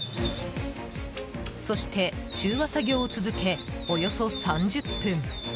そして、中和作業を続けおよそ３０分。